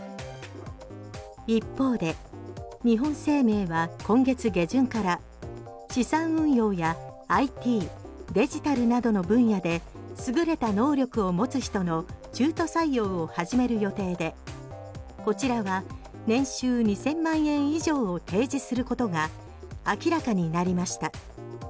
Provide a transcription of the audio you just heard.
一方で日本生命は今月下旬から資産運用やＩＴ・デジタルなどの分野で優れた能力を持つ人の中途採用を始める予定でこちらは年収２０００万円以上を提示することが明らかになりました。